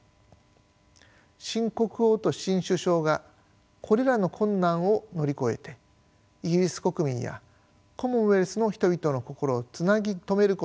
新国王と新首相がこれらの困難を乗り越えてイギリス国民やコモンウェルスの人々の心をつなぎ止めることができるのか。